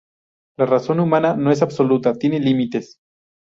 La razón humana no es absoluta, tiene límites.